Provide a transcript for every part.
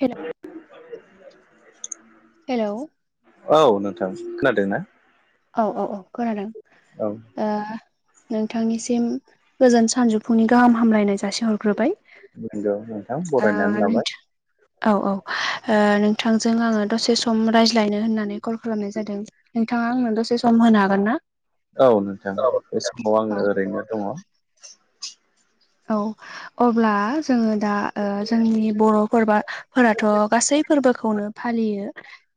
हेल' hello. औ नोंथां खोनादों ना? औ औ औ खोनादों। औ। दा नोंथांनिसिम गोजोन सानजौफुंनि गाहाम हामलायनाय जासिहरग्रोबाय। नोंगौ नोंथां ओ बरायनानै लाबाय। नोंथां औ औ ओ नोंथांजों आङो दसे सम रायज्लायनो होननानै कल खालामनाय जादों। नोंथाङा आंनो दसे सम होनो हागोन ना? औ नोंथां बे समाव औ आङो ओरैनो दङ। औ अब्ला जोङो दा ओ जोंनि बर'फोरबा फोरथ' गासै फोरबोखौनो फालियो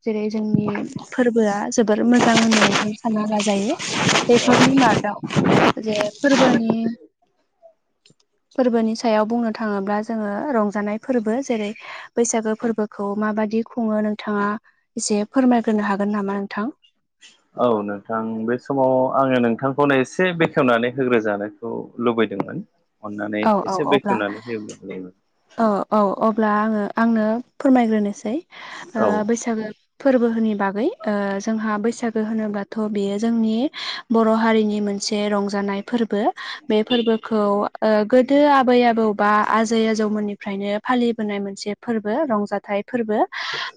जेरै जोंनि फोरबोआ जोबोर मोजां होननानै जों सानना लाजायो। बेफोरनि मादाव जे फोरबोनि फोरबोनि सायाव बुंनो थाङोब्ला जोङो रंजानाय फोरबो जेरै बैसागो फोरबोखौ माबाददि खुङो नोंथाङा एसे फोरमायग्रोनो हागोन नामा नोंथां? औ नोंथां बे समाव आङो नोंथांखौनो एसे बेखेवनानै होग्रोजानो खौ लुबैदोंमोन अननानै औ औ एसे अब्ला बेखेवनानै होयोब्ला मोजांमोन। औ औ अब्ला आङो आंनो फोरमायग्रोनोसै। ओ औ बैसागो फोरबो होननि बागै जोंहा बैसागो होनोब्लाथ' बेयो जोंनि बर' हारिनि मोनसे रंजानाय फोरबो बे फोरबोखौ गोदो आबै आबौ बा आजै आजौ जौ मोननिफ्रायनो फालिबोनाय मोनसे फोरबो रंजाथाइ फोरबो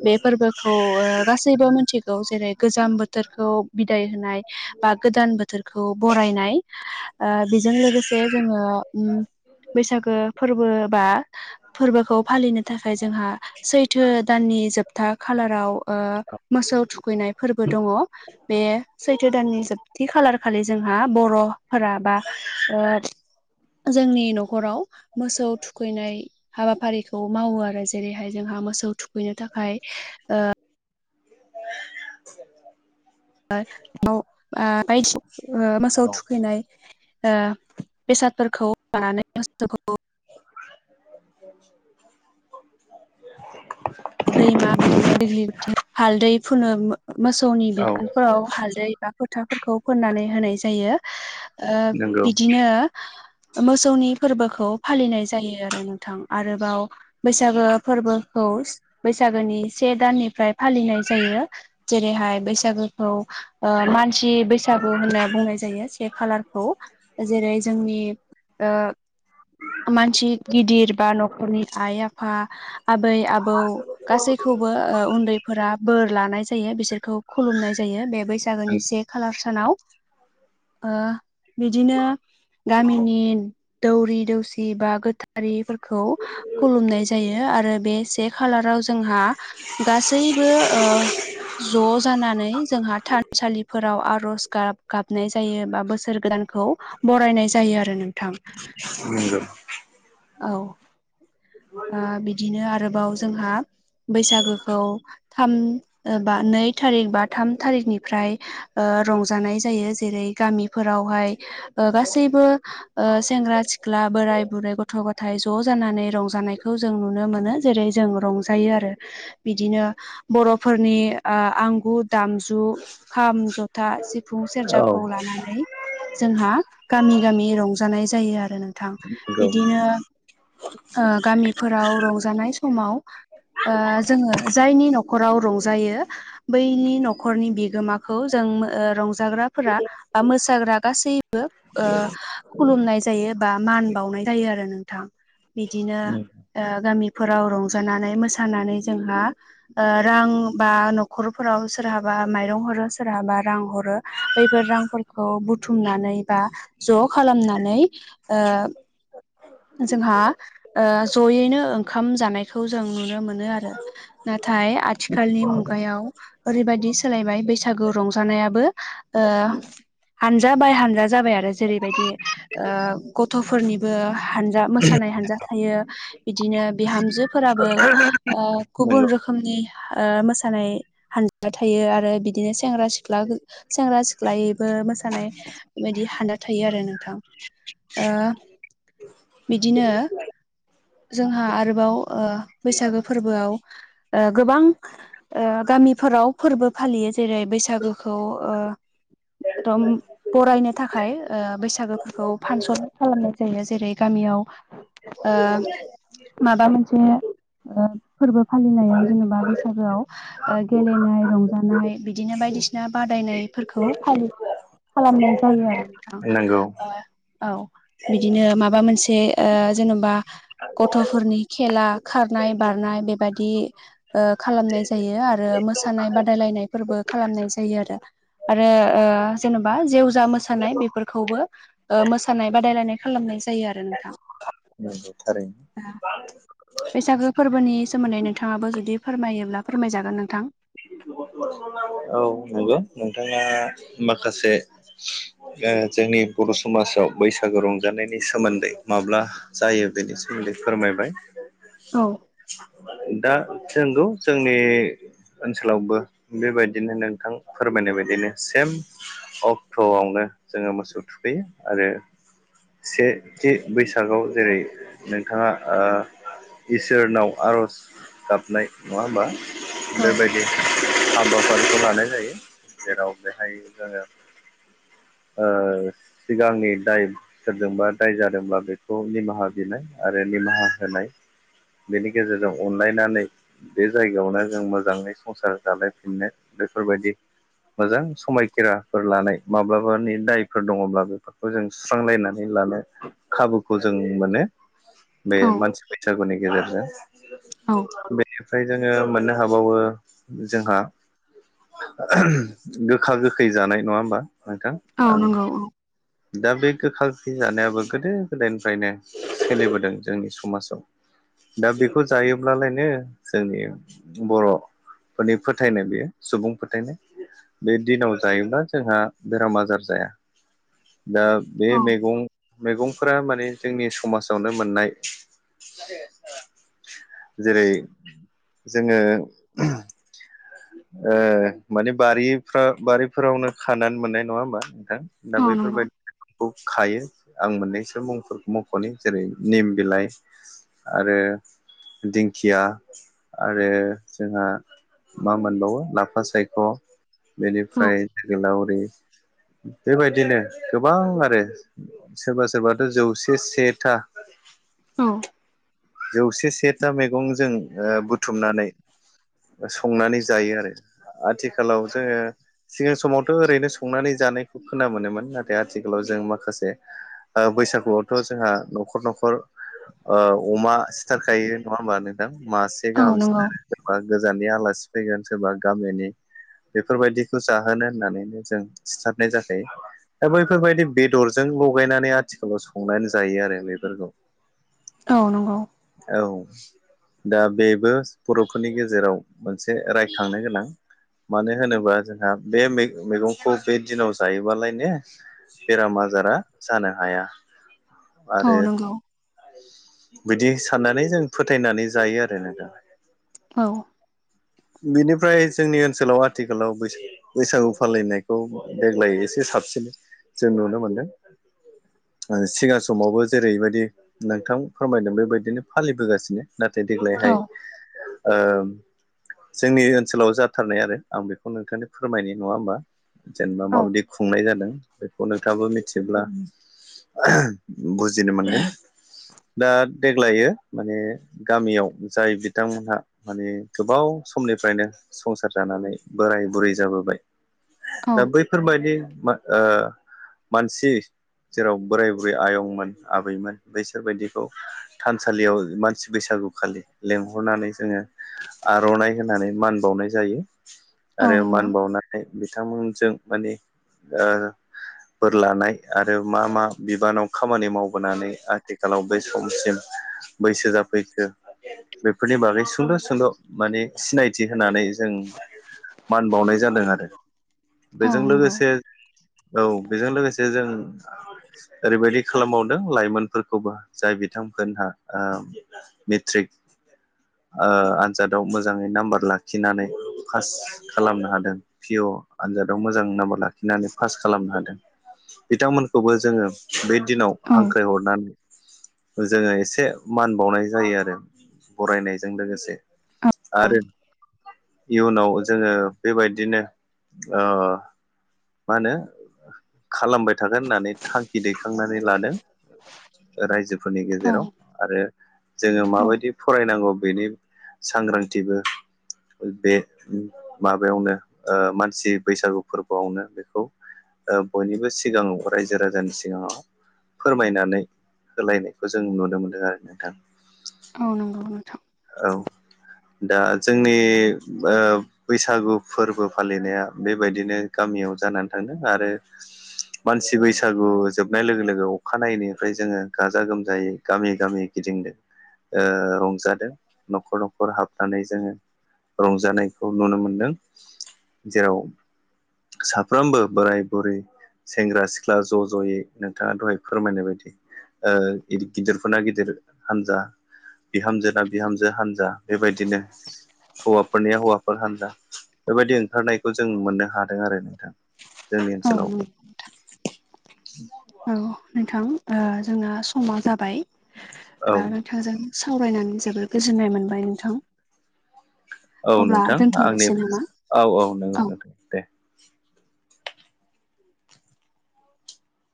बे फोरबोखौ ओ गास सैबो मिथिगौ जेरै गोजां बोथोरखौ बिदाय होनाय बा गोदान बोथोरखौ बरायनाय। ओ बेजों लोगोसे जोङो ओम बैसागो फोरबो बा फोरबोखौ फालिनो थाखाय जोंहा सैथो दाननि जोबथा खालाराव मोसौ थुखैनाय फोरबो दङ। बे सैथो दाननि जोबथि खालार खालि जोंहा बर'फोरा बा जोंनि न'खराव मोसौ थुखैनाय हाबाफारिखौ मावो आरो जेरैहाय जोंहा मोसौ थुखैनो थाखाय ओ [unintelligible] बायदियाव मासौ औ थुखैनाय ओ बेसादफोरखौ लानानै मोसौखौ [unintelligible] दैमा बिदिनो दग बि हालदै फुनो मोसौनि औ बेखौ फोराव हाल्दै बा फोथाफोरखौ फोननानै होनाय जायो। ओ नंगौ बिदिनो मोसौनि फोरबोखौ फालिनाय जायो आरो नोंथां आरोबाव बैसागो फोरबोखौ बैसागोनि से दाननिफ्राय फालिनाय जायो जेरैहाय बैसागोखौ ओ मानसि बै सागु होनना बुंनाय जायो से खालारखौ। जेरै जोंनि आ मानसि गिदिर बा न'खरनि आइ आफा आबै आबौ गासैखौबो ओ उन्दैफोरा बोर लानाय जायो बिसोरखौ खुलुमनाय जायो बे बैसागोनि से खालार सानाव बिदिनो गामिनि दौरि दौसि बा गोथार आरिफोरखौ खुलुमनाय जायो आरो बेसे खालाराव जोंहा गासैबो ओ ज' जानानै जोंहा थानसालिफोराव आर'ज गाब-गाबनाय जायो बा बोसोर गोदानखौ बरायनाय जायो आरो नोंथां [unintelligible] औ ओ बिदिनो आरोबाव जोंहा बैसागोखौ थाम ओ बा नै थारिख बा थाम थारिखनिफ्राय ओ रंजानाय जायो जेरै गामिफोरावहाय ओ गासैबो ओ सेंग्रा सिख्ला बोराय बुरै गथ' गथाय ज' जानानै रंजानायखौ जों नुनो मोनो जेरै जों रंजायो आरो बिदिनो बर'फोरनि ओ आं गु दामजु खाम जथा सिफुं औ सेरजाखौ लानानै जोंहा गामि-गामि रंजानाय जायो आरो नोंथां नंगौ बिदिनो ओ गामिफोराव रंजानाय समाव ओ जोङो जायनि न'खराव रंजायो बैनि न'खरनि बिगोमाखौ जों ओ रंजाग्राफोरा ओ मोसाग्रा गासैबो ओ खुलुमनाय जायो बा मान बावनाय जायो आरो नोंथां बिदिनो ओ गामिफोराव रंजानानै मोसानानै जोंहा ओ रां बा न'खरफोराव सोरहाबा माइरं हरो सोरहाबा रां हरो बैफोर रांफोर खौ बुथुमनानै बा ज' खालामनानै ओ जोंहा ओ जयैनो ओंखाम जानाय खौ जों नुनो मोनो आरो नाथाय आथिखालनि मुगायाव ओरैबायदि सोलायबाय बैसागु रंजानायाबो ओ हानजा बाय हानजा जाबाय आरो जेरैबायदि ओ गथ'फोरनिबो हानजा मोसानाय हानजा थायो बिदिनो बिहामजोफोराबो ओ गुबुन नंगौ रोखोमनि ओ मोसानाय हानजा थायो आरो बिदिनो सेंग्रा सिख्ला [unintelligible] सेंग्रा सिख्लायैबो मोसानाय बे बायदि हानदा थायो आरो नोंथां ओ बिदिनो जोंहा आरोबाव ओ बैसागो फोरबोआव ओ गोबां ओ गामिफोराव फोरबो फालियो जेरै बैसागोखौ ओ [unintelligible] बरायनो थाखाय ओ बैसागोफोरखौ फानसन खालामनाय जायो जेरै गामियाव ओ माबा मोनसे ओ फोरबो फालिनायाव जेनेबा बैसागोआव ओ गेलेनाय रंजानाय बि दिनो बायदिसिना बादायनाय फोरखौ फालि [unintelligible] खालामनाय जायो आरो नंगौ नोंथां ओ औ बिदिनो माबा मोनसे ओ जेनबा गथ'फोरनि खेला खारनाय बारनाय बेबादि ओ खालामनाय जायो आरो मोसानाय बादायलायनायफोरबो खालामनाय जायो आरो आरो ओ जेनेबा जेवजा मोसानाय बेफोरखौबो ओ मोसानाय बादायलायनाय खालामनाय जायो आरो नोंथां [unintelligible] थारैनो [unintelligible] बैसागो फोरबोनि सोमोन्दै नोंथाङाबो जुदि फोरमायोब्ला फोरमायजागोन नोंथां [unintelligible] औ नोंगो नोंथाङा माखासे [unintelligible] ओ जोंनि बर' समाजाव बैसागो रंजानायनि सोमोन्दै माब्ला जायो बेनि सोमोन्दै फोरमायबाय औ दा नोंगौ जोंनि ओनसोलावबो बेबायदिनो नोंथां फोरमायनाय बायदिनो सेम अक्ट'आवनो जोङो मोसौ थुखैयो आरो सेथि बैसागआव जेरै नोंथाङा ओ इसोरनाव आर'ज गाबनाय नङा होमबा? औ बेबायदि हाबाफारिखौ लानाय जायो। जेराव बेहाय जोङो ओ सिगांनि दाइ सोरजोंबा दाय जादोंब्ला बेखौ निमाहा बिनाय आरो निमाहा होनाय बेनि गेजेरजों अनलायनानै बे जायगायावनो जों मोजाङै संसार जालायफिननो बेफोरबायदि मोजां समायखेराफोर लानाय माब्लाबा [unintelligible] मनि दायफोर दङब्ला बेफोरखौ जों सुस्रांलायनानै लानो खाबुखौ जों मोनो। बे औ मानसि बैसागुनि गेजेरजों। औ फओमफ्राय जोङो मोननो हाबावो जोंहा गोखा गोखै जानाय नङा होमबा नोंथां? औ आं नंगौ औ दा बे गोखा गोखै जानायाबो गोदो गोदायनिफ्रायनो सोलिबोदों जोंनि समाजाव दा बेखौ जायोब्लालायनो जोंनि बर' फोरनि फोथायनाय बेयो सुबुं फोथायनाय बे दिनाव जायोब्ला जोंहा बेराम आजार जाया दा बे औ मैगं मैगंफोरा माने जोंनि समाजावनो मोननाय। जेरै जोङो ओ माने बारिफ्राव बारिफोरावनो खानानै मोननाय नङा होमबा नोंथां? दा औ नंगौ बैफोरबायदि खौ खायो। आं मोननैसो मुंफोरखौ मख'नो जेरै निम बिलाइ, आरो दिंखिया आरो जोंहा मा मोनबावो लाफा सायख' औ बेनिफ्राय जोगोलावरि बेबायदिनो गोबां आरो सोरबा सोरबाथ' जौसे सेथा औ! जौसे सेथा मैगंजों बुथुमनानै संनानै जायो आरो। आथिखालाव जोङो सिगां समावथ' ओरैनो संनानै जानायखौ खोना मोनोमोन। नाथाय आथिखालाव जों माखासे बैसागुआवथ' जोंहा न'खर न'खर ओ अमा सिथारखायो नङा होमबा नोंथां? मासे औ गाहाम नंगौ सिथारो सोरबा गोजाननि आलासि फैगोन सोरबा गामिनि बेफोरबायदिखौ जाहोनो होननानैनो जों सिथारनाय जाखायो। दा बैफोरबायदि बेदरजों लगायनानै आथिखालाव संनानै जायो आरो बेफोरखौ। औ नंगौ। औ दा बेबो बर'फोरनि गेजेराव मोनसे रायखांनो गोनां। मानो होनोबा जोंहा बे मैगंखौ बे दिनाव जायोबालाय नो बेराम आजारा जानो हाया। औ आरो नंगौ। बिदि साननानै जों फोथायनानै जायो आरो ना दा। औ बिनिफ्राय जोंनि ओनसोलाव आथिखालाव बैसो बैसागु फालिनायखौ देग्लाय एसे साबसिन जों नुनो मोनदों। सिगां समावबो जेरैबायदि नोंथां फोरमायदों बेबायदिनो फालिबोगासिनो। नाथाय औ देग्लायहाय ओ जोंनि ओनसोलाव जाथारनाय आरो आं बेखौ नोंथांनो फोरमायनि नङा होमबा? जेनेबा औ माबायदि खुंनाय जादों बेखौ नोंथाङाबो मिथियोब्ला बुजिनो मोनगोन। दा देग्लायो माने गामियाव जाय बिथांमोनहा माने गोबाव समनिफ्रायनो संसार जानानै बोराय बुरै जाबोबाय औ दा बै फोरबायदि ओ मानसि जेराव बोराय बुरै आयंमोन आबैमोन बैसोरबायदिखौ थानसालियाव मानसि बैसागुखालि लेंहरनानै जोङो आर'नाइ होनानै मान बावनाय जायो। औ आरो नंगौ मान बावनाय बिथांमोनजों माने ओ बोर लानाय आरो मा मा बिबानाव खामानि मावबोनानै आथिखालाव बे समसिम बैसो जाफैखो बेफोरनि बागै सुंद' सुंद' माने सिनायथि होनानै जों मान बावनाय जादों आरो। औ बेजों नंगौ लोगोसे औ बेजों लोगोसे जों ओरैबायदि खालामबावदों लाइमोनफोरखौबो जाय बिथांमोनहा ओ मेट्रिक ओ आन जादाव मोजाङै नाम्बार लाखिनानै पास खालामनो हादों। पि अ आनजादाव मोजां नाम्बार लाखिनानै पास खालामनो हादों बिथांमोनखौबो जोङो बे दिनाव औ हांखायहरनानै जोङो एसे मान बावनाय जायो आरो बरायनायजों लोगोसे। औ आरो इयुनाव जोङो बेबायदिनो ओ मा होनो खालामबाय थागोन होननानै थांखि दैखांनानै लादों। [inaudible] रायजोफोरनि औ गेजेराव आरो जोङो औ माबायदि फरायनांगौ बेनि सांग्रांथिबो बे माबायावनो ओ मानसि बैसागु फोरबोआवनो बेखौ ओ बयनिबो सिगाङाव रायजो राजानि सिगाङाव फोरमायनानै होलायनायखौ जों नुनो मोनदों आरो नोंथां। औ नंगौ नोंथां। औ दा जोंनि ओ बैसागु फोरबो फालिनाया बेबायदिनो गामियाव जानानै थांदों। आरो मानसि बैसागु जोबनाय लोगो लोगो अखाानायैनिफ्राय जोङो गाजा गोमजायै गामि गामि गिदिंदों ओ रंजादों न'खर न'खर हाबनानै जोङो। रंजानायखौ नुनो मोनदों जेराव साफ्रोमबो बोराय बुरै सेंग्रा सिख्ला ज' ज'यै नोंथाङा दहाय फोरमायनाय बायदि। ओ गिदिरफोरना गिदिर हान्जा बिहामजोना बिहामजो हानजा बेबायदिनो हौवाफोरनिया हौवाफोर हान्जा बेबायदि ओंखारनायखौ जों मोननो हादों आरो नोंथां। जोंनि औ ओनसोलावबो। औ नोंथां ओ जोंना समा जाबाय औ ओ थांजों सावरायनानै जोबोर गोजोननाय मोनबाय नोंथां। औ अब्ला नोंथां आंनि दोनथ'नोसै नामा औ औ नंगौ नोंथां दे।